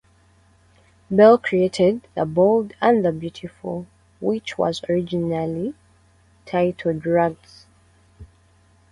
Bell created "The Bold and the Beautiful", which was originally titled "Rags".